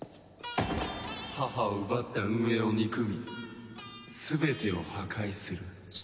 母を奪った運営を憎み全てを破壊する。